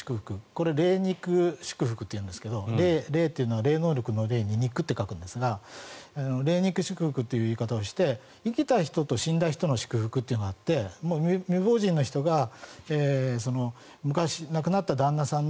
これ、霊肉祝福と言うんですが「れい」というのは霊能力の霊に肉って書くんですが霊肉祝福という言い方をして生きた人と死んだ人の祝福というのがあって未亡人の人が亡くなった旦那さん